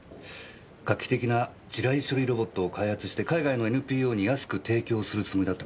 画期的な地雷処理ロボットを開発して海外のＮＰＯに安く提供するつもりだったみたいですね。